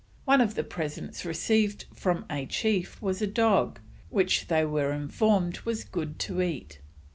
One of the presents received from a chief was a dog, which they were informed was good to eat.